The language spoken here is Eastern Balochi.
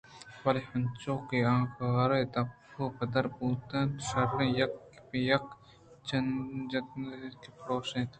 بلے انچو کہ آ غار ءِدپ ءَ پدّر بُوتنت شیرءَ یک پہ یکّءَجتنتءُ پرٛوشت انت